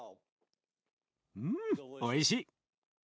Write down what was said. うんおいしい！